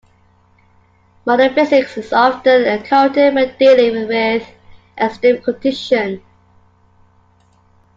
Modern physics is often encountered when dealing with extreme conditions.